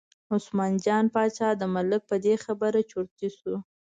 عثمان جان باچا د ملک په دې خبره چرتي شو.